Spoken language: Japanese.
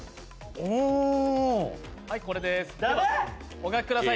お描きください。